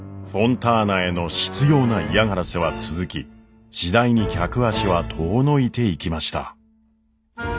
ターナへの執ような嫌がらせは続き次第に客足は遠のいていきました。